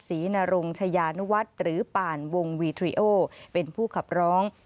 ศรีนรงค์ชะยานวัดหรือป่านวงวีทรีโอเป็นผู้ขับร้อง